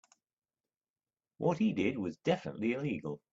What he did was definitively illegal.